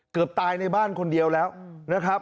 เกือบตายในบ้านคนเดียวแล้วนะครับ